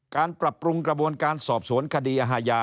การปรับปรุงกระบวนการสอบสวนคดีอาญา